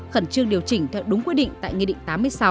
khẩn trương điều chỉnh theo đúng quy định tại nghị định tám mươi sáu